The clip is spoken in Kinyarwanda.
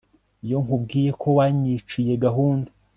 iyo nkubwiye ko wanyiciye gahunda